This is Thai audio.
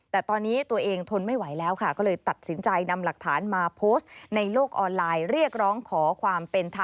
แต่ตอนนี้ตัวเองทนไม่ไหวแล้วค่ะก็เลยตัดสินใจนำหลักฐานมาโพสต์ในโลกออนไลน์เรียกร้องขอความเป็นธรรม